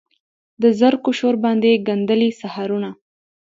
د زرکو شور باندې ګندلې سحرونه